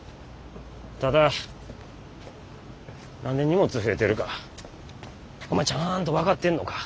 ただ何で荷物増えてるかお前ちゃんと分かってんのか？